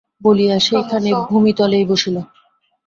বলিয়া সেইখানে ভুমিতলেই বসিল।